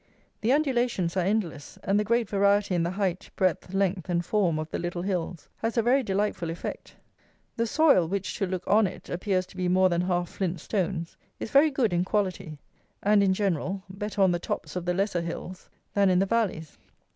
The undulations are endless, and the great variety in the height, breadth, length, and form of the little hills, has a very delightful effect. The soil, which, to look on it, appears to be more than half flint stones, is very good in quality, and, in general, better on the tops of the lesser hills than in the valleys.